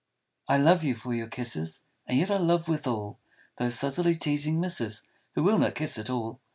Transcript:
I love you for your kisses, And yet I love withal Those subtly teasing misses Who will not kiss at all.